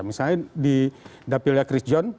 misalnya di dapilya krisjon